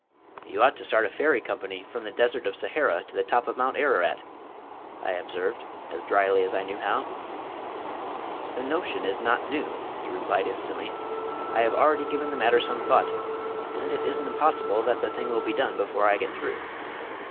"You ought to start a Ferry Company from the Desert of Sahara to the top of Mount Ararat," I observed, as dryly as I knew how. "The notion is not new," he replied instantly. "I have already given the matter some thought, and it isn't impossible that the thing will be done before I get through.